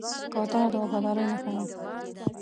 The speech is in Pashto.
کوتره د وفادارۍ نښه ده.